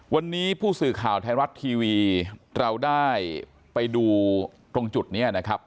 วันนี้ผู้สื่อข่าวไทยรัฐทีวีเราได้ไปดูตรงจุดนี้นะครับ